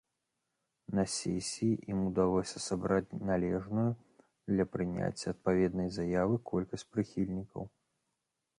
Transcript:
На сесіі ім удалося сабраць належную для прыняцця адпаведнай заявы колькасць прыхільнікаў.